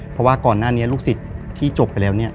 เพราะว่าก่อนหน้านี้ลูกศิษย์ที่จบไปแล้วเนี่ย